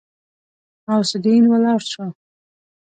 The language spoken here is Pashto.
غوث الدين ولاړ شو.